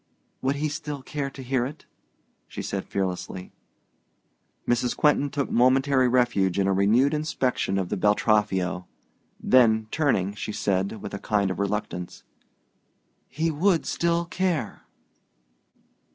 "Would he still care to hear it?" she said fearlessly. Mrs. Quentin took momentary refuge in a renewed inspection of the Beltraffio; then, turning, she said, with a kind of reluctance: "He would still care."